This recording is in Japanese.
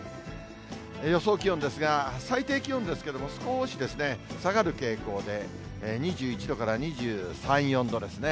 予想気温ですが、最低気温ですけれども、少し下がる傾向で、２１度から２３、４度ですね。